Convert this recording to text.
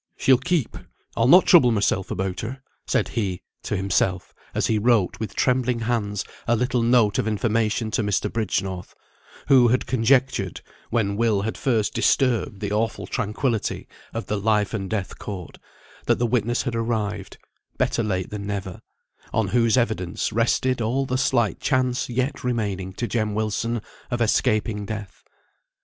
"She'll keep! I'll not trouble myself about her," said he to himself, as he wrote with trembling hands a little note of information to Mr. Bridgenorth, who had conjectured, when Will had first disturbed the awful tranquillity of the life and death court, that the witness had arrived (better late than never) on whose evidence rested all the slight chance yet remaining to Jem Wilson of escaping death.